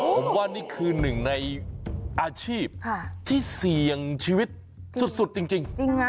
ผมว่านี่คือหนึ่งในอาชีพที่เสี่ยงชีวิตสุดจริงนะ